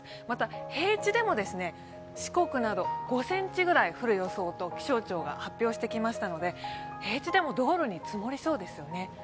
また平地でも四国など５ｃｍくらい降る予想と気象庁が発表してきましたので平地でも道路に積もりそうですよね。